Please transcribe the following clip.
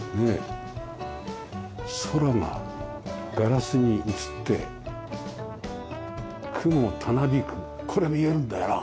空がガラスに映って雲たなびくこれ見えるんだよな。